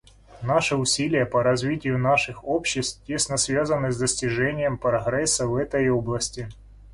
Наши усилия по развитию наших обществ тесно связаны с достижением прогресса в этой области.